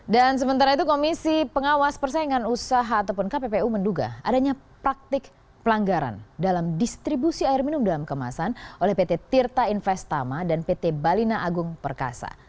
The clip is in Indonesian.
dan sementara itu komisi pengawas persaingan usaha ataupun kppu menduga adanya praktik pelanggaran dalam distribusi air minum dalam kemasan oleh pt tirta investama dan pt balina agung perkasa